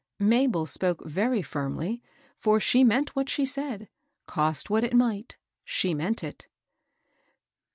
Mabel spoke very firmly, for she meant what she said, — cost what it might, she meant it.